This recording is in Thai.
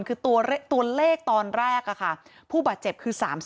คือตัวเลขตอนแรกผู้บาดเจ็บคือ๓๐